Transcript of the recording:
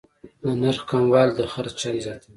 د نرخ کموالی د خرڅ چانس زیاتوي.